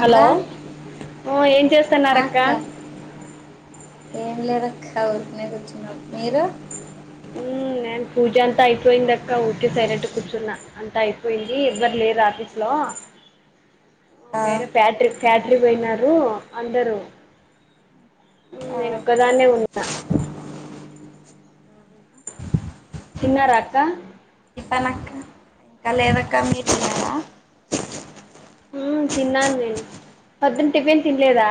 అక్క హలో ఏం ఆ చేస్తున్నారుఅక్క? అక్క ఏం లేదక్క ఊరికునే కూర్చున్నా. మీరు? మ్ నేను పూజ అంతా అయిపోయింది అక్క ఓకే సైలెంట్ కూర్చున్నా అంతా అయిపోయింది ఎవ్వరు లేరు ఆఫీస్ లో ఆ వేరే ఫ్యాక్టరీ ఫ్యాక్టరీ పోయిన అందరూ మ్మ్ ఆ నేన్ ఒకదానే ఉన్నా తిన్నారఅక్కా? ఇప్పన అక్కా లేద అక్కా మీరు తిన్నారా మ్మ్ తిన్నాను నేను పోదునా టిఫిన్ తినలేదా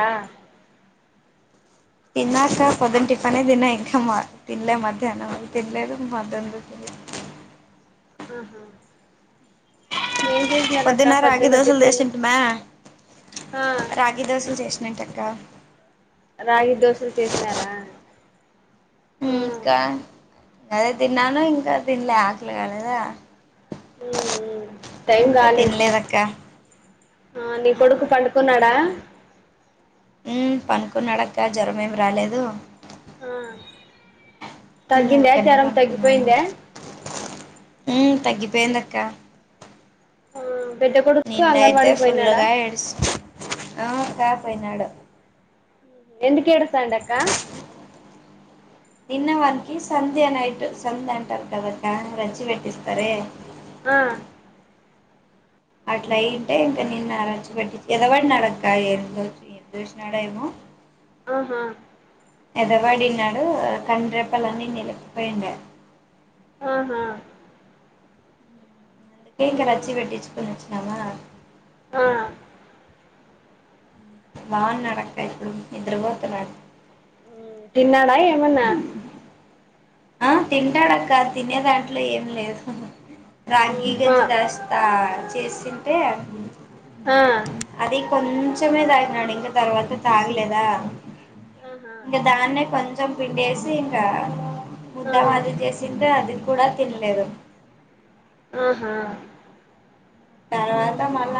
తిన్నాక పొద్దున టిఫనే తిన్నా ఇంకా తినలే మధ్యాహ్నం తినలేదు మధ్య్నం తినలేదు ఆహ పొద్దున్న రాగి దోశలు చేసంటమా ఆ రాగి దోశలు చేసినంట అక్క రాగి దోశలు చేసినారా మ్ మ్మ్ ఇంకా అదే తిన్నాను ఇంకా తినలే ఆకలి కాలే దా మ్మ్ మ్మ్ టైం కాలేదు తినలేదక్క ఆ నీ కొడుకు పండుకున్నాడా? మ్మ్ పనుకున్నాడక్క జ్వరం ఏమి రాలేదు ఆ తగ్గిందా ఊరికనే పనుకున్నాడు జ్వరంతగ్గిపోయిందా మ్మ్ తగ్గిపోయింది అక్క మ్మ్ పెద్ద కొడుకు అంగన్వాడికి పోయినాడా ఫుల్లుగా ఏడ్స్ ఆ అక్కా పోయినాడు ఎందుకు ఏడుస్తాండు అక్క నిన్న వన్కి సంధ్య నైట్టు సంధ్య అంటారు అక్కరచ్చి పెెట్టస్తార [inaudible] ఆ అట్లా అయింటే ఇంకా నిన్ను అరచ్చి పట్టి ఎద పడినాడఅక్కఎ తోు ఎం చోసినాడ ఏమో [inaudible] ఆహా ఎదవాడిన్నాడు కండ్రెప్పలన్ని నిలిపిపోయిండడు ఆహా అందు కేే ఇక రచ్చీ పెట్టిచ్చుకు వచ్చినవ ఆ బాగున్నాడు అక్క ఇప్పుడు నిద్రపోతున్నాడు మ్మ్ తిన్నాడా ఏమన్నా ఆ తింటాడక్క తినే దాంట్లో ఏం లేదు రాగి మా గంజి దాస్తా చేసింటే ఆ కొంచమే తాగినాడు ఇంకా తర్వాత తాగలేదా ఆహా ఇంకా దాన్నే కొంచ చం పిండేసి ఇంకా ముద్ద ఆ మాది చేసిన్ రా కూడా తినలేదు ఆహా తర్వాత మళ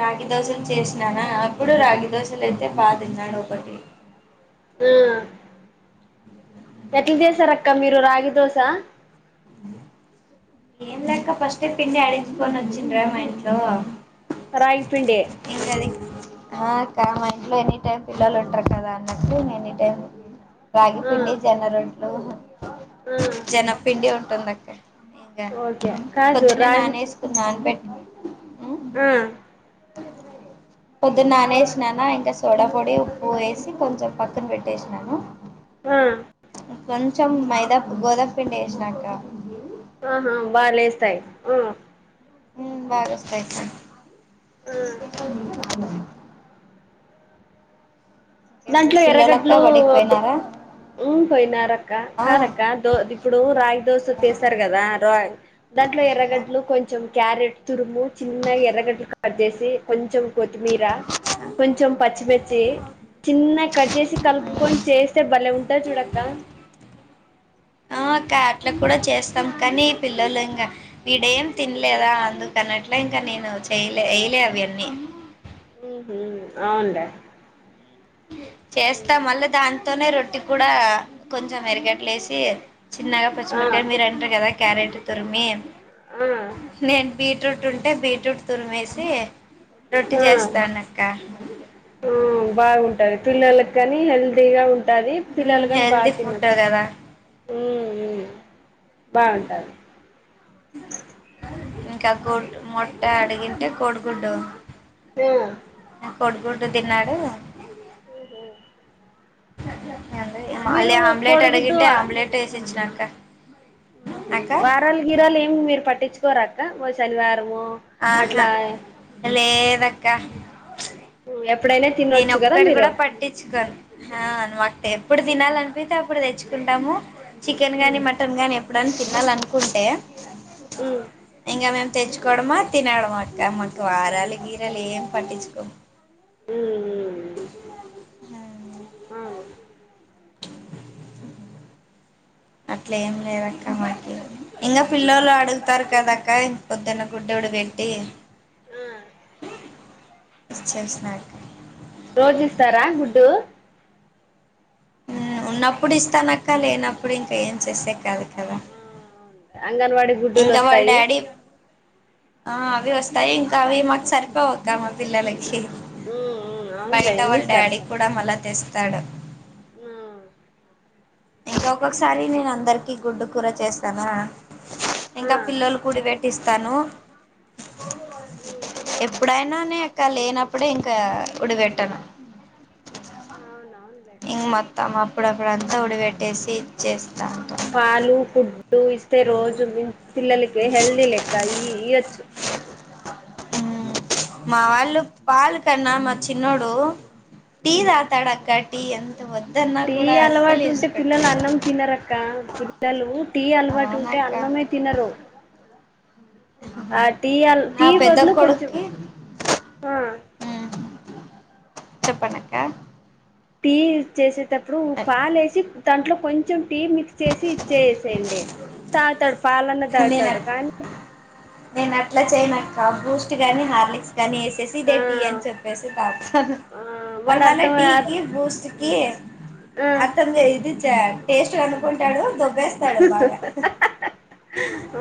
రాగి దోశలు చేసినానా అప్పుడు రాగి దోశలు అయితే బా తిన్నాడు ఒకటి మ్మ్ ఆ ఎట్లా చేసారు అక్క మీరు రాగి దోశ ఏం లే అక్కా ఫస్ట్ పిండి ఆడించుకొని వచ్చిండ్రా మా ఇంట్లో రాగి పిండి ఎంకా అది [inaudible] ఆ అక్కా మా ఇంట్లో ఎనీ టైమ్ పిల్లలు ఉంటారు కదా అన్నట్టు న ఎనీ టైమ్ రాగి ఆ పిండిజొన్న రొట్టలు ఆ జనపిండి ఉంటుంది అక్క ఇంకా ఓకే కాదు పొద్దున్నే రాగి నానేసుకుని నాన్నపెట్టుకుని మ్ ఆ అ పొద్దున్న నాణ వేసిననా ఇంకా సోడా పొడి ఉప్పు వేసి కొంచెం పక్కన పెట్టేసినాను ఆ కొంచం మైదా గోదా పిడి వేసినాక ఆహా బా లేస్తాయి ఆ మ్మ్ బాగా వస్తాయి అక్కా ఇంకేం మీ దాంట్లో పిల్లలక్క ఎర్రగడ్లు బడికి పోయినారా మ్ పోయినారు అక్క కాదక్క దో ఇప్పుడు రాగి దోశ వ తీసారు కదా రాగి దాంట్లో ఎర్రగడ్లు కొంచెం క్యారెట్ తురుము చిన్నగా ఎర్రగడ్లు కట్ చేసి కొంచెం కొత్తిమీర కొంచం పచ్చి మిర్చి చిన్నగా కట్ చేసి ఆ కలుపుకొని చేస్తే భలే ఉంటది చూడ అక్కా అ అక్క అట్లా కూడా చేస్తాం కానీ పిల్లలు ఇంకా వీడేం తినలేదా అందుకని అట్లా ఇంకా నేను చెయలే వేయలే అవన్నీ హ్మ్మ్ అవునులే చేస్తా మళ్ళీ దాంతోనే రొట్టి కూడా కొంచెం ఎర్రగేడ్ల ఏసీ చిన్నగా పచ్చి ఆ మిరపకాయ మీరు అంటారు కదా క్యారెట్ తురిమి ఆ నేను బీ బీట్రూట్ ఉంటే బీట్రూట్ తురిమేసి రొట్టి ఆ ఆ చేస్తానక్క ఉంటది పిల్లలకి కాని హెల్దీగా ఉంటా ది పిల్లలకని బాగా హెల్దీ ఫుడ్ తినొచ్చు కదా మ్మ్ బాగుంటాది ఇంకా గుడ్ మొట్ట అడిగింటే కొడిగుడ్డు ఆ కొడిగుడ్ డు తిన్నాడు ఉహు మళ్ళీ ఆమ్లెట్ కోడిగుడ్డు అడిగింటే ఆమ్లెట్ వేసి ఇచ్చిన అక్కా మ్మ్ వారాలు గిరాలు ఏమి మీరు పట్టించుకోరాక్క శనివార రాము ఆహా అట్లా లేదక్క ఎప్పుడైనా నేను తినొచ్చు కదా ఒక్కటి మీరు కూడా పట్టించుకోను ఎప్పుడు తినాలనిపితే అప్పుడు తెచ్చుకుంటాము చికెన్ గానీ ఉమ్ మటన్ గానీ ఇపుడు అయినా తినాల అనుకుంటే ఉమ్ ఇంకా మేము తెంచుకోవడమా తినడమా అక్క మాకు వారాలు గీరాలు ఏం పట్టించుకోమ్ మ్మ్ అవును మ్మ్ అట్లే ఏం లేదక్క మాకి ఇంకా పిల్లొలు అడుగుతారు కదక్క పొద్దున్న గుడ్డ డు పెట్టి ఆ ఇచ్చేసి నక్క రోజు ఇస్తారా గుడ్డు మ్మ్ ఉన్నప్పుడు ఇస్తానక్క లేనప్పుడు ఇంకా ఏం చేసే కాదు కదా అంగన్వాడీ గుడ్డులు ఇంకా వాళ్ళ వస్తాయి డాడీ ఆ అవి వస్తాయి ఇంకా అవి మాకు సరిపోవక్క మా పిల్లలకి ఉమ్ ఉమ్ అవునులే బయట ఎన్ని వాళ్ళ ఇస్తారు డాడీ కూడా మళ్ళా తెస్తాడు ఆ ఇంక ఒక్కొక్కసారి నేను అందరికి గుడ్డు కూర చేస్తానా ఆ ఇంకా పిల్లలు కూడి పెట్టిస్తాను ఉమ్ ఎప్పుడైనా నే అక్క లేనప్పుడే ఇంకా ఉడిపెట్టను అవునవునులే అక్క ఇం మొత్తం అప్పుడప్పుడ అంతా ఉడిపెట్టేసి చేస్తా పాలు ఫుడ్డు ఇస్తే రోజు పిల్లలకి హెల్దీ లెక్క ఇయొచ్చు మ్మ్ మా వాళ్ళు పాాల కన్నా మా చిన్నోడు టీీ తాగు తాడు అక్కా టీ ఎం తీ అలవాటు ఉంటే పిల్లలు అన్నం తినరక్క పిల్లలు టీ అలవాటు ఉంటే అవునక్క అన్నమే తినరు ఆ టీ అల్ నా టీ పెద్ద బదులు కొంచెం కొడుకి ఆ చెప్పండి అక్కా టీ చేసేటప్పుడు పాాల ఎసి దాంట్లో కొంచెం టీ మిక్స్ ఇచ్చేసి ఇచ్చేసేయండి తాగుతాడు పాలన్న నేను తాగుతాడు కానీ నేను అట్లా చేయనక్క బూస్ట్ గాని హార్లిక్స్ గాని వేసేసి ఆ ఇదే టి అని చెప్పేసి తాగు ఆ తా వాడు మన అర్థం ఆ టీకి బూస్ట్ కి ఆ అతం [inaudible] టేస్ట్ అనుకుంటాడు దొ వేస్తాడు బాగా ఆ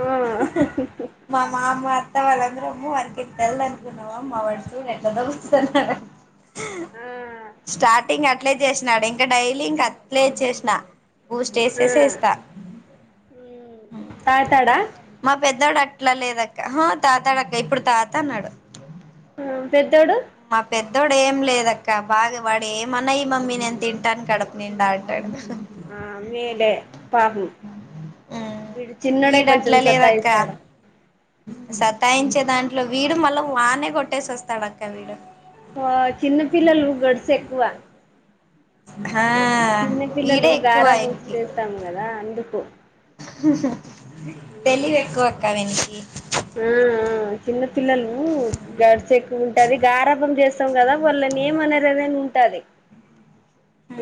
మామ్మ అత్త వాళ్ళందరమ్మ వాారికి తెల్దనుకున్నావామ్ మా వాడు చూ ఎలా దోస్తున్నారు స్టార్టింగ్ అట్లే చేసినాడు ఇంకా డైలీ ఇంకా అట్లే చేసిన బూస్ట్ ఏసేసి ఎస్తా ఆ తాగుతాడా మా పెద్దోడు అట్లా లేదక్క తాగుతాడు అక్కా ఇప్పుడు తాగుతా అన్నాడు హ్మ్ పెద్దోడు పెద్దొడు ఏం లేదక్క బాగా వాడు ఏమన్నా ఈ మమ్మీ నేను తింటాను కడుపు నిండా అంటాడు ఆ వీడే పాపం వీడు చినోడే వీడు కొంచెం అట్లా లేదక్క సత్తాయిస్తాడు సతాయించే దాంట్లో వీడు మళ్ళా వానే కొట్టేసి వస్తాడు అక్క వీడు ఆ చిన్న పిల్లలు గడ్స్ ఎక్కువ [inaudible] చిన్న వీడే పిల్లలు ఎక్కువ గారంభం ఆయనకి చేస్తాము కదా అందుకు ఉ తెలివి ఎక్కువక్క వీనికి ఆ ఆ చిన్న పిల్లలు గడుస ఎక్కువ ఉంటది గారభం చేస్త స్తాము కదా వాళ్ళ ని ఏమనదిదని ఉంటది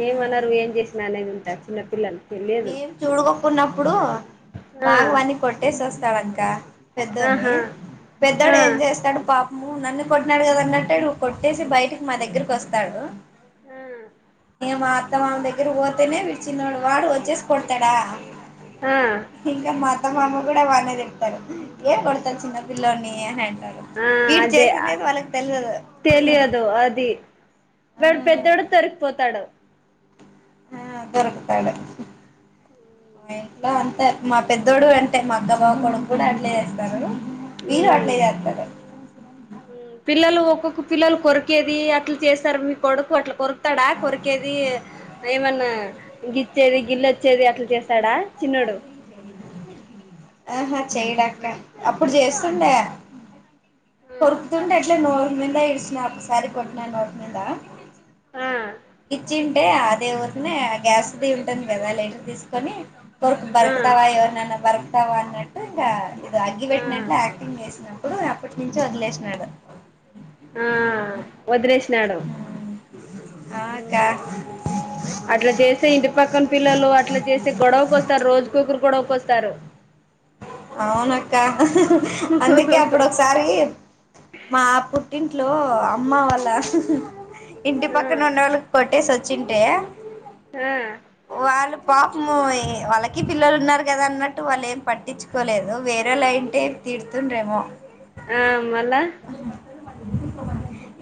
ఏమన్నారు ఏం చేసిన అనేది ఉంటది చిన్న పిల్లలు తెలియదు మేము చూడుకోకున్నప్పుడు ఆ బాగ వన్నీ కొట్టేసి వస్తాడు అక్కా పెద్దోని ఆహా ఆ పెద్దోడు ఏం చేస్తాడు పాప ము నన్ను కొట్నాడు కదా అన్నట్టటుడు కొట్టేసి బయటకి మా దగ్గరకి వస్తాడు హ్మ్ ఇగ మా అత్తమ మామ దగ్గర పోతేనే వీడు చిన్నోడు వాడు వచ్చేసి కొడతాడా ఆ ఇంకా మా అత్త మామ కూడా వనే తిడతాడు ఏ కొడతారు చిన్న పిల్లోని అని అ ఆ వీడ్ అదే చేసిందే వాళ్ళకి తెల్ తెలియదు అది ఆ వాడు పెద్దోడు తొరికిపోతాడు హ దొరుకుతాడు మా ఇంట్లో అంతే మా పెద్దోడు అంటే మా అక్కా బావ కొడుకు కూడా అట్లే చేస్తారు వీరు ఉమ్ అట్లే చేస్తారు కుక్క పిల్లలు కొరికేది అట్లా చేస్తారు మీ కొడుకు అట్లా కొరుకుతాడా కొరికేది ఏమ నా గిచ్చేది గిల్లొచ్చేది అట్లా చేస్తాడా చిన్నోడు ఆహా చేయడ్ అక్కా అప్పుడు చేస్తుండె కొరుకుతుంటే అట్లే నోరు మీద ఇడ్చిన ఒకసారి కొట్టిన నోర్ మీదా ఆ గిచ్చింటే అదే తనే గ్యాస్ ఉంటుంది కదా లీటర్ తీసుకొని కొరకు ఆ బరుకుతావా ఎవరినైనా బరుకుతావా అన్నట్టు ఇంకా ఇది అగ్గి ఆ పెెట్టినట్లు యాక్టింగ్ చేసినా అప్పుడు అప్పటి నుంచి వదిలేసినాడు ఆ వదిలేసినాడు అ అక్కా అ అట్లా చేస్తే ఇంటి పక్కన పిల్లలు అట్లా చేస్తే గొడవకి వస్తారు రోజు కి ఒకరు గొడవకిొస్తారు అవునక్క అందుకే అప్పుడు ఒకసారి మా పుట్టి ఇంట్లో అమ్మ వాళ్ళ ఇంటి ఆ పక్కన ఉన్న వాళ్ళకి కొట్టేసి వచ్చింటే మ్ వాళ్ళు పాపము వాళ్ళకి పిల్లలు ఉన్నారు కదా అన్నట్టు వాళ్ళు ఏం పట్టించు కోలేదు వేరేళైంతే తీడుతుండ్రేమో ఆ మళ్ళా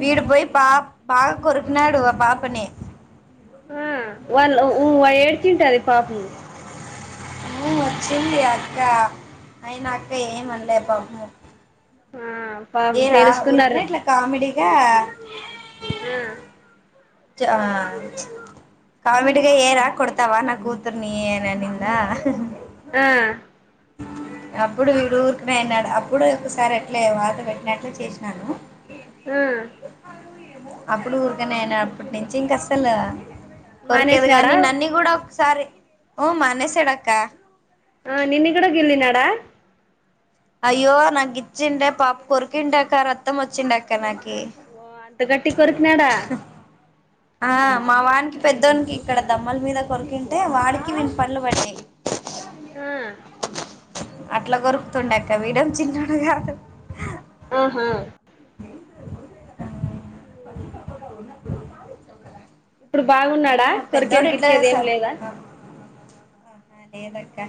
వీడు పోయి పా బా కొరికినాడు పాపని ఆ వాళ్ళు ఉ ఏడిచి ఉంటది పాపము ఉ వచ్చింది అక్క అయినా అక్క ఏమనలే పాపము ఆ పాపం ఏరా ఉరుకునే తెలుసుకున్నారు ఇట్లా కామెడిగా ఆ చా కామిడిగా ఏరా కొడతావా నా కూతుర్ని ననింద ఆ అప్పుడు వీడు ఊరికినే అనాడు అప్పుడు ఒకసారి ఎట్లే వాత పెట్టినట్లు చేసినాను ఆ అప్పుడు రిటనయన అప్పటినుంచి ఇంక అసలు కొరికేది మానేసినాడా కానీ నన్నీ కూడా సార ఉ మానేశాడక్క ఆ నిన్ను కూడా గిల్లినాడా అయ్యో నా గిచ్చిండే పాప కురుకింటడాక రత్తం వచ్చింటడాక నా ఓ అంత గాట్టి కొరుకినాడా ఆ మా వాడినికి పెద్దోనికి ఇక్కడ దమ్మల మీద కొరికింటే వాడికి వీని పళ్లు పడ్డాయి ఆ అట్లా గొరుకుతుండక్క వీడు చిన్నోడు కాదు ఆహా ఇప్పుడు ఐనా బాగున్నాడా మా పెద్దోడు కొరికేది ఇట్లనే గిరికేది ఏం సార్ లేదా ఆహా లేదక్క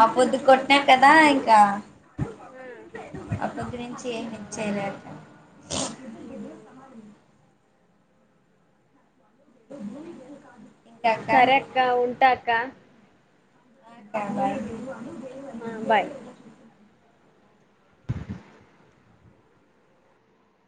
ఆ పొద్దు కొట్టిన కదా ఇంకా ఆ అద గురించి ఏమిచ్చేలేరు వెల్ కాదు సరే అక్క ఉంటా అక్క బాయ్ ఆ బాయ్